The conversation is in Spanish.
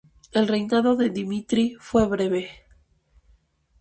El reinado de Dmitri fue breve.